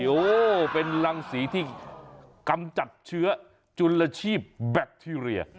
โอ้โหเป็นรังสีที่กำจัดเชื้อจุลชีพแบคทีเรีย